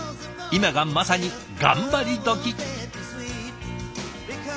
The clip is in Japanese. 今がまさに頑張り時。